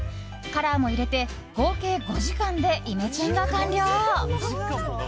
カラーも入れて、合計５時間でイメチェンが完了。